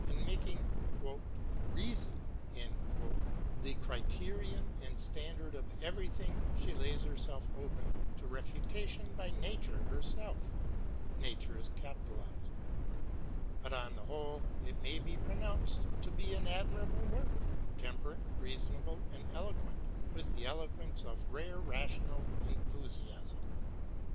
In making " reason " the criterion and standard of everything she lays herself open to refutation by Nature herself. But on the whole it may be pronounced to be an admirable work — temperate, reasonable, and eloquent with the eloquence of really rational enthusiasm.